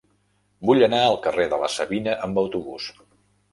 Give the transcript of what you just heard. Vull anar al carrer de la Savina amb autobús.